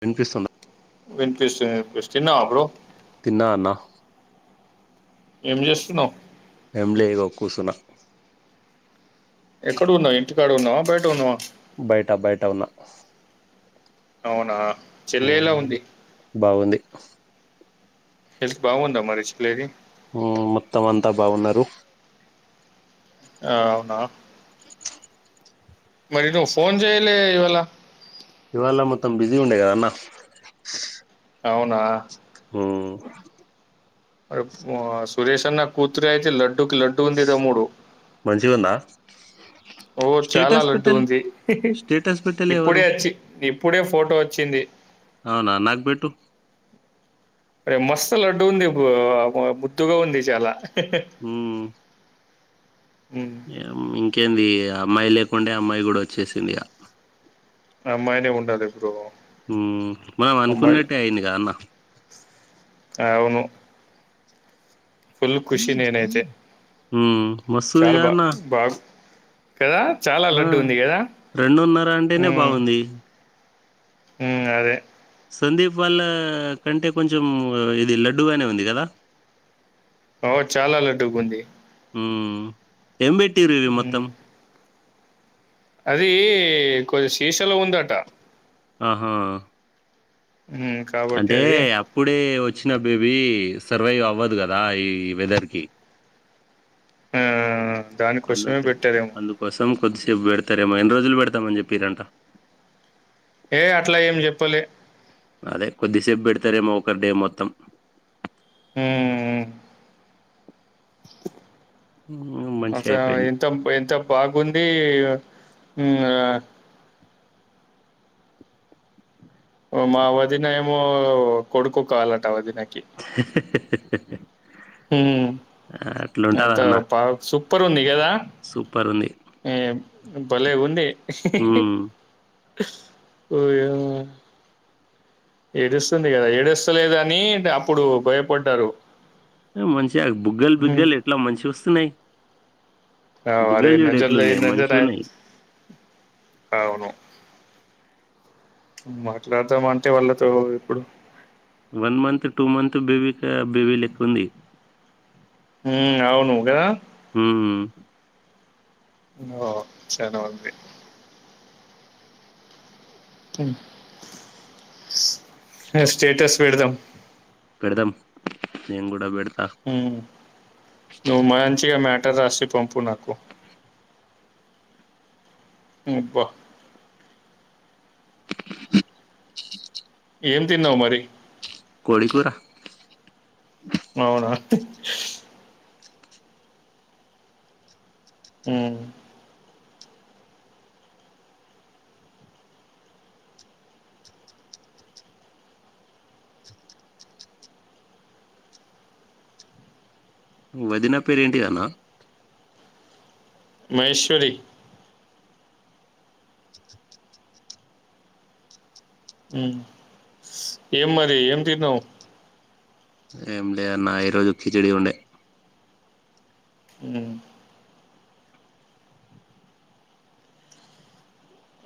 వినిపిస్తుందా వినిపిస్తుంది వినిపిస్తోంది తిన్నావా బ్రో తిన్నా అన్నా ఏం చేస్తున్నావు ఎంలే ఇగ కూర్సుున ఎక్కడ ఉన్నావ్ ఇంటికాడ ఉన్నావా బయట ఉన్నావా బయట బయట ఉన్నా అవునా చెల్లె ఎలా ఉమ్ ఉంది బాగుంది హేస్ బాగుందా మరి [unintelligible] ఉమ్ మొత్తం అంతా బాగున్నారు ఆ అవునా చె మరి నువ్ ఫోన్ చేయలే ఇవళ ఇవాళ మొత్తం బిజీ ఉండే కద అన్న అవునా ఉమ్ అ [unintelligible] సురేష్ అన్న కూతురే అయితే లా డ్కి లడ్డు ఉంది తమ్ముడు మంచిగుందా ఓ చాలా స్టేటస్ లడ్డు పెట్టలే ఉంది స్టేటస్ పెట్టలే ఇప్పుడే ఎవరు వచ్చి ఇప్పుడే ఫోటో వచ్చింది అవునా నాక్బెట్టు మస్త లడ్డు ఉంది బ్రో బద్దుగా ఉంది చాలా ఉమ్ ఉమ్, [unintelligible] ఇంకేంది అమ్మాయి లేకుండే అమ్మాయి కూడా వచ్చేసింది ఇగ అమ్మాయినే ఉండదు ఇప్పుడు ఉమ్ మనం అనుకున్నట్టే అయింది కదా అన్న అవును ఫుల్ ఖుషి నేనైతే ఉమ్ మస్తుంది చాలా కదా బా అన్న బాగు కదా చాలా ఆ లడ్డు ఉంది కదా రెండున్నర అంటేనే ఉమ్ బాగుంది ఉమ్ అదే సందీప్ వాళ్ళ కంటే కొంచెం ఇది లడ్డుూగానే ఉంది కదా ఓ చాలా లడ్డూగుంది ఉమ్ ఎం బేటూరు ఇవి హ్మ్ మొత్తం అది కొది సీషలో ఉందట అహో హ్మ్ కాబట్టి అంటే అది అప్పుడే వా చ్చిన బేబీ సర్వైవ్ అవ్వదు కదా ఈ వెదర్ కి ఆ దానికోసమే అందుక పెట్టారేమో అందుకోసం కొద్దిసేపు పెడ తారేమో ఎన్ని రోజులు పెడతామని చెప్పిరంట ఏ అట్లా ఏం చెప్పలే అదే కొద్దిసేపు పెడతారేమో ఒకరిడే మొత్తం ఉమ్ హ్మ్. అస మంచిగా అయిపోయింది. ఎంత ఎంత బాగుంది [unintelligible] మా వదిన ఏమో కొడుకు కావాలంట వదిన హు అట్లుంటదా అంతే అన్న. పాప సూపర్ ఉంది ఏద సూపరుంది. ఏ భలే ఉంది హ్మ్. ఓయమ్మ ఏడుస్తుంది కదా ఏడస్తలేదని అప్పుడు భయపడ్డారు మంచిగా బుగ్గలు బిగ్గలు ఎట్లా మంచిగా వస్తున్నాయి అ వారే [unintelligible] మంచిగున్నాయి. అవును మాట్లాడదాం అంటే వాళ్ళతో ఇప్పుడు one month two month baby baby లెక్ ఉంది హు అవును కదా హ్మ్. ఓ చానా మంది స్టేటస్ పెడదాం పెడదాం నేను కూడా పెడతా హు నువ్వు మంచిగా మ్యాటర్ రాసి పంపు నాకు ముబ్బా ఏం తిన్నావ్ మరి కోడికురా అవునా హు వదిన పేరు ఏంటి అన్న మహేశ్వరి హు ఏం మరి ఏం తిన్నావ్ ఏమిలే అన్నా ఈరోజు కిచిడి ఉండే హు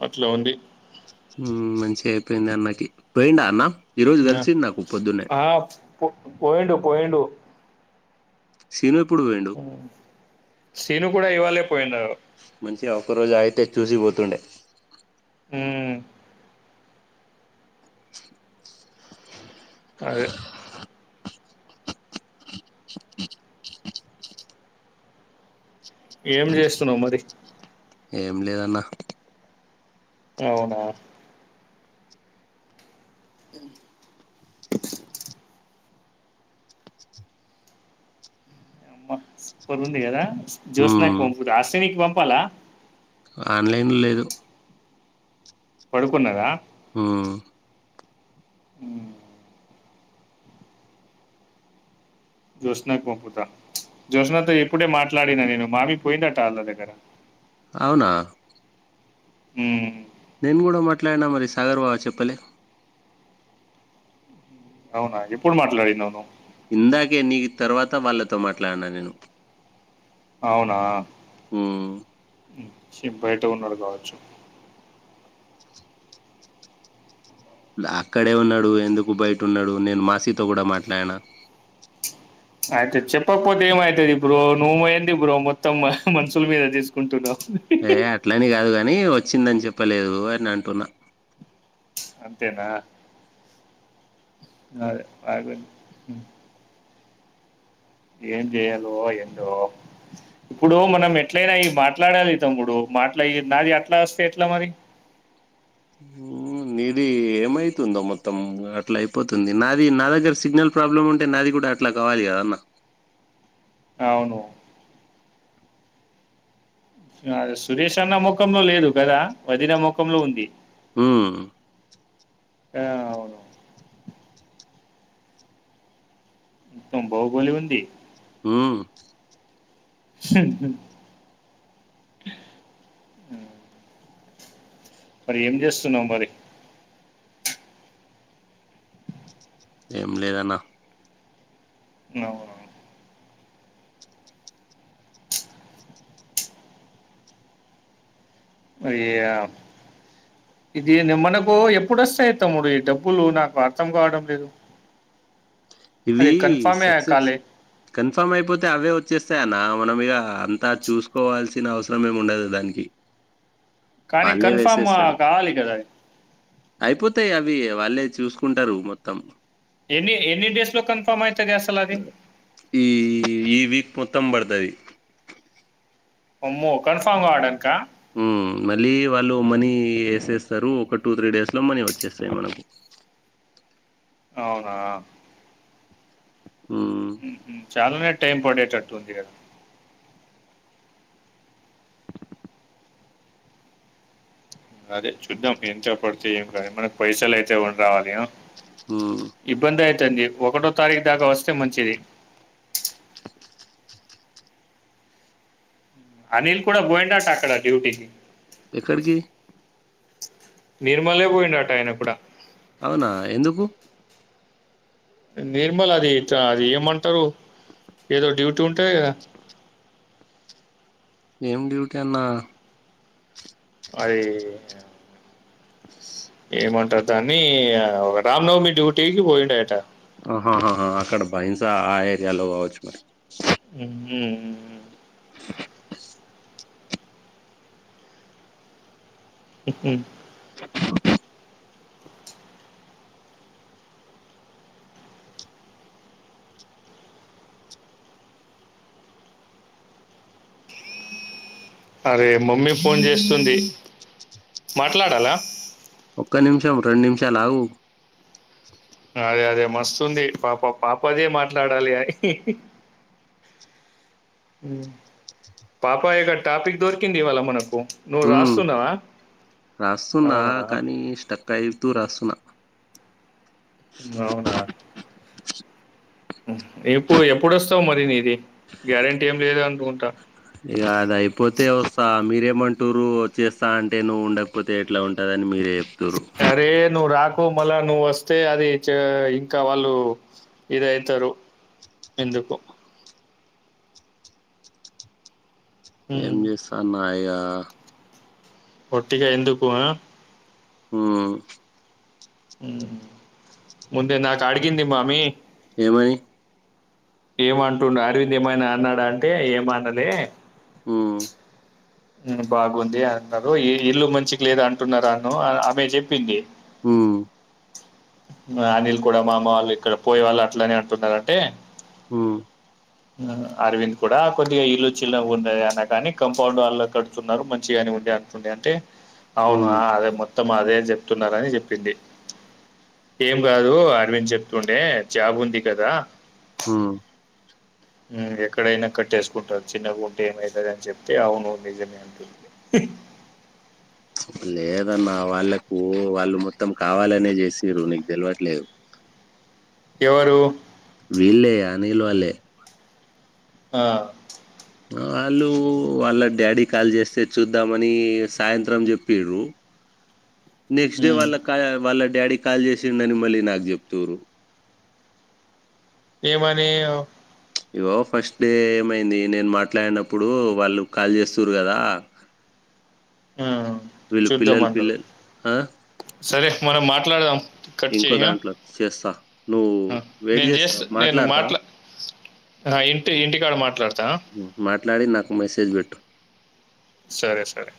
అట్లా ఉంది మంచి అయిపోయింది అన్నకి పోయిండా అన్న ఈ రోజు కలిసిండు నాకు పొద్దున్నే పో పోయిండు పోయిండు సీను ఉ శిను కూడా ఇవాలేే పోయినరు చీ ఒక రోజు అయితే చూసిపోతుండే హు అదే ఏం చేస్తున్నావ్ మరి ఏం లేదు అన్న అవునా అ సూపర్ ఉంది కదా జ్యోస్నకి ఉమ్ పంపూ లాస్య నీకు పంపాలా ఆన్లైన్ లో లేదు పడుకున్నదా ఊ ఉ జ్యోస్నాకు పంపుతా జ్యోస్నతో ఇప్పుడే మాట్లాడినా నేను మామి పోయిందట్ట వాళ్ళ దగ్గర. అవునా ఊమ్ నేను గూడా మాట్లాడినా మరి సాగర్ బావా చెప్పలే. అవునా ఎప్పుడు మాట్లాడినవ్ ను ఇందాకే నీకి తర్వాత వాళ్లతో మాట్లాడినా నేను అవునా ఉమ్ చి బయట ఉన్నాడు గావచ్చు ల అక్కడే ఉన్నాడు ఎందుకు బయట ఉన్నాడు, నేను మాసీతో కూడా మాట్లాడినా. అయితే చెప్పపోతే ఏమైతది బ్రో, నువ్ ఏంది బ్రో మొత్తం మా మనుసుల్ మీద తీసుకుంటున్నావు. ఏ అట్లని గాదు గానీ వచ్చిందని చెప్పలేదు అని అంటున్నా అంతేనా అదె అదె ఏం చేయలో ఎందో ఇప్పుడు మనం ఎట్లయినా ఈ మాట్లాడాలి తమ్ముడు మాట్లా నాది ఆట్లా వస్తే ఎట్లా మరి హు ఏమైతుందో మొత్తం అట్లా అయిపోతుంది నాది నా దగ్గర సిగ్నల్ ప్రాబ్లమ్ ఉంటే నాది కూడా అట్లా కావాలి కదా నా అవును సురేష్ అన్న ముఖంలో లేదు కదా, వదిన ముఖంలో ఉంది. ఊ ఆ అవును తుమ్ బాహుబలి ఉంది ఊ స్సుహు మరి ఏం జేస్తున్నావు మరి ఏం లేదన్న అవును అయ్యా ఇదీ ని మనకు ఎప్పుడొస్సయి తమ్ముడు ఈ డబ్బులు నాకు అర్థం కావడం లేదు. ఇవీ అది కన్ఫామే సక్సెస్ కాలే కన్ఫామ్ అయిపోతే అవే వచ్చేస్తాయ్ అన్నా మనం ఇగా అంతా చూసుకోవాల్సిన అవసరం ఏం ఉండదు దానికి కానీ వాళ్ళే కన్ఫర్మ్ వేసేస్తారు కావాలి కదా అయిపోతాయి అవి వాళ్ళే చూసుకుంటారు మొత్తం ఎన్నీ ఎన్ని డేస్ లో కన్ఫార్మ్ అయితది అసలు అది ఈ ఈ వీక్ మొత్తం బడ్తది అమ్మో కన్ఫామ్ ఆడక్కా హ్మ్ మళ్ళీ వాళ్ళు మనీ ఏసేస్తారు ఒక టూ త్రీ డేస్ లో మనీ వచ్చేస్తాయి మనకు. అవునా హ్మ్ చాలానే టైం పడేటట్టు ఉంది కదా అదే చూద్దాం ఎంత పడుతయో [unintelligible] మనకి పైసలు అయితే ఉం రావాలి అ ఆ తంది ఒకటో తారీఖు దాకా వస్తే మంచిది అనీల్ కూడా బోయిండొచ్చు అక్కడ డ్యూటీకి ఎక్కడికీ నిర్మలే పోయిండట ఆయన కూడా అవునా ఎందుకు నిర్మల్ అదీ చ అది ఏమంటరు ఏదో డ్యూటీ ఉంటది గద ఏం డ్యూటీ అన్నా అదీ ఏమంటర్ దాన్నీ రామ్నవమి డ్యూటీకి పోయిండయట అహాహహాహ అక్కడ బైంసా ఆ ఏరియాలో అవచ్చు మరి హుహు. ఇ అరే మమ్మీ ఫోన్ చేస్తుంది మాట్లాడాలా ఒక్క నిమిషం రెం నిమిషాలువు అదే అదే మస్తుంది పాప పాపదే మాట్లాడాలి అని పాపాయక్క టాపిక్ దొరికింది ఇవాళ మనకు నువ్వు హ రాస్తున్నావా? రాస్తున్నా అవునా? కానీ స్టక్ అయితూ రాస్తున్నా అవునా ఇప్పు ఎప్పుడొస్తావు మరి నీది గ్యారెంటీ ఏం లేదు అనుకుంటా తిమంటూరు వచ్చేస్తా అంటే నువవు ఉండకపోతే ఎట్లా ఉంటుందని మీరే చెప్తారు అరే! నువ్వు రాకు మళ్ళా నువ్వు వస్తే అది ఇంకా వాళ్ళు ఇద అవుతారు ఎందుకు ఏం హ్మ్. చేస్తాన్నా ఒట్గా ఎందుకు ఆ ముందే నాకు అడిగిందిీమ్ మామిీ ఏమని ఏమంటుం అరవింద్ ఏమైనా అన్నాడా అంటే ఏమన్నలే ఊ బాగుంది అంటున్నారు ఇల్లు మంచికి లేద అంటున్నారు అన్న ఆమె చెప్పింది ఆ అనిల్ కూడా మామ వాళ్ళు ఇక్కడ పోయే వాళ్ళు అట్లనే అంటున్నంటే ఆ అరవింద్ కూడా కొద్దిగా ఇల్లు చిల్లు ఉండది అన్న కాని కంపౌండ్ వాళ్ళ కడుతున్నారు మంచిగాని ఉండి అంటుండే అంటే అవునా ఉమ్ అదే మొ మొత్తం మాదేయం చెప్తున్నారని చెప్పింది ఏం కాదు అరవింద్ చెప్తుండే జాబ్ ఉంది కదా హ ఎక్కడైనా కట్టేసుకుంటారు చిన్నగా గుంట ఏమవుతుంది అని చెప్తే అవును నిజమే అంత లేదన్న వాళ్ళకు వాళ్ళు మొత్తం కావాలనే చేసి నీకు తెలివట్లేదు ఎవరు వీళ్ళలే అనిల్ వాళ్ళే ఆ వాళ్ళు వాళ్ళ డాడీ కాల్ చేస్తే చూద్దామని సాయంత్రం చెప్ప్ర నెక్స్ట్ డే హ్మ్. వాళ్ళ కా వాళ్ళ డాడీ కాల్ చేసిండ అని మళ్ళీ నాకు చెప్త్ర ఏమని ఇగో ఫస్ట్ డే ఏమైంది నేను మాట్లాడినప్పుడు వాళ్ళు కాల్ చేస్తుారు కదా ఆ వీళ్ళు పిల్లలు చూద్దామన్నారు పిల్లలు ఆ సరే మనం మాట్లాడదాం కట్ ఇంకో చేయి ఆ! దాంట్లో చేస్తా నువ్వు ఆ వెయిట్ నేను చేస్తా చేస్త నేను మాట్లాడతా మాట్లా ఆ ఇంటి ఇంటికాడ మాట్లాడతా హ్మ్. మాట్లాడి నాకు మెసేజ్ పెట్టు. సరే సరే